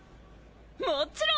もちろん！